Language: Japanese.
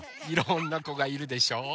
いろんなこがいるでしょ？